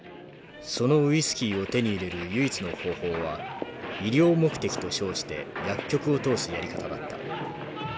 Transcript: そのウイスキーを手に入れる唯一の方法は医療目的と称して薬局を通すやり方だった。